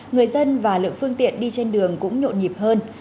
người dân và lượng phương tiện đi trên đường cũng nhộn nhịp hơn